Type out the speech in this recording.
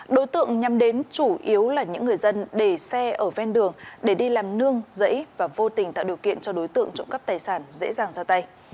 đối tượng nhằm đến chủ yếu là những người dân để xe ở ven đường để đi làm nương dẫy và vô tình tạo điều kiện cho đối tượng trộm cắp tài sản dễ dàng ra tay